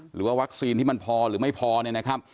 หรือว่าวัคซีนที่มันพอหรือไม่พอเนี่ยนะครับ